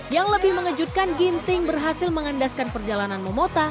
yang lebih mengejutkan ginting berhasil mengandaskan perjalanan momota